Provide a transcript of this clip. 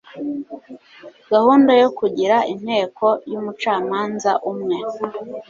gahunda yo kugira inteko y'umucamanza umwe